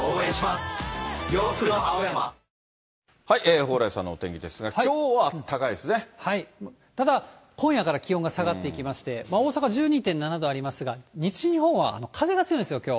蓬莱さんのお天気ですが、はい、ただ今夜から気温が下がっていきまして、大阪１２．７度ありますが、西日本は風が強いんですよ、きょう。